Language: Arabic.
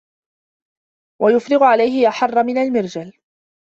وَيُفْرِغُ عَلَيْهِ أَحَرَّ مِنْ الْمِرْجَلِ